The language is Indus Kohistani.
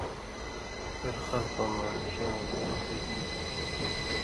ژرہۡ خلکؤں مہ آݩڇھی وَیں بیماری چئ ہُوئ تھی